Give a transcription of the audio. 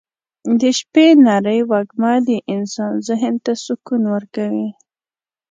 د شپې نرۍ وږمه د انسان ذهن ته سکون ورکوي.